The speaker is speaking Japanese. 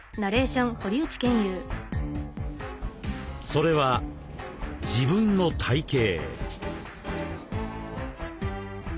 それは自分の体形。